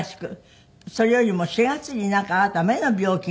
それよりも４月になんかあなた目の病気になったんだって？